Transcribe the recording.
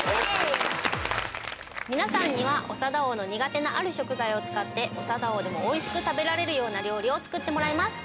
皆さんには長田王の苦手なある食材を使って長田王でも美味しく食べられるような料理を作ってもらいます。